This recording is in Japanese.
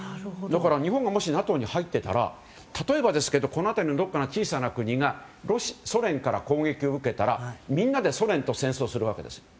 だから、日本がもしＮＡＴＯに入っていたら、例えばですけどこの辺りのどこか小さな国がソ連から攻撃を受けたらみんなでソ連と戦争するわけです。